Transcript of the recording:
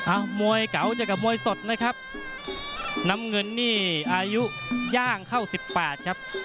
อ่ามวยเก๋าเจอกับมวยสดนะครับดำเงินนี่อายุย่างเข้า๑๘ครับ